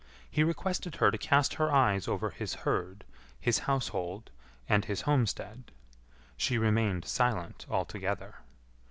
He requested her to cast her eyes over his herd, his household, and his homestead. She remained silent altogether.